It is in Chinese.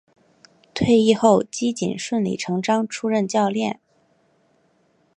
退役后基瑾顺理成章出任教练。